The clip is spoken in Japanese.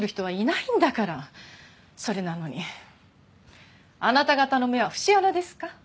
それなのにあなた方の目は節穴ですか？